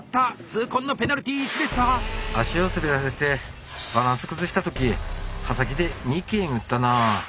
痛恨のペナルティ１ですか⁉足を滑らせてバランス崩した時刃先で幹えぐったな。